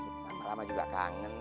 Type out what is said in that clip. sama sama juga kangen